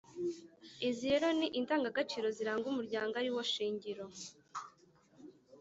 Izo rero ni indangagaciro ziranga umuryango ari wo shingiro